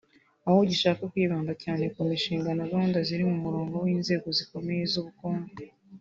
aho gishaka kwibanda cyane ku mishinga na gahunda ziri mu murongo w’inzego zikomeye z’ubukungu